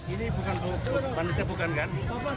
ini bukan panitia bukan kan